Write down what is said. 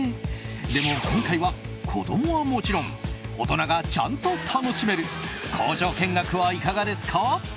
でも今回は、子供はもちろん大人がちゃんと楽しめる工場見学はいかがですか？